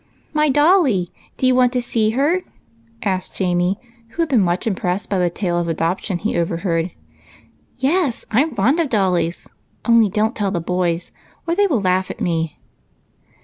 " My dolly ; do you want to see her ?" asked Jamie, who had been much impressed by the tale of adoption he had overheard. " Yes ; I 'm fond of dollies, only don't tell the boys, or they will laugh at me."